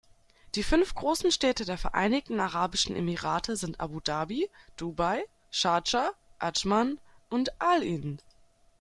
Die fünf großen Städte der Vereinigten Arabischen Emirate sind Abu Dhabi, Dubai, Schardscha, Adschman und Al-Ain.